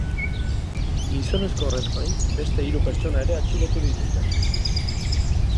Gizonezko horrez gain, beste hiru pertsona ere atxilotu dituzte.